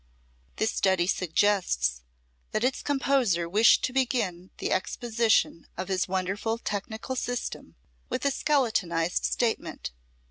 This study suggests that its composer wished to begin the exposition of his wonderful technical system with a skeletonized statement.